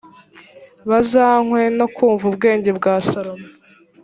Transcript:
bazanywe no kumva ubwenge bwa salomo